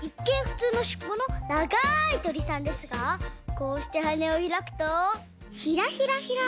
ふつうのしっぽのながいとりさんですがこうしてはねをひらくとヒラヒラヒラ。